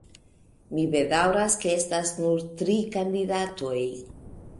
Mi bedaŭras ke estas nur tri kandidatoj.